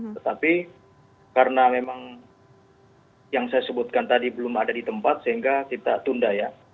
tetapi karena memang yang saya sebutkan tadi belum ada di tempat sehingga kita tunda ya